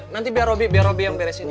nanti biar roby yang beresin